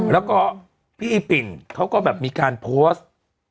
แล้วก็พี่อีปิ่นเขาก็แบบมีการโพสต์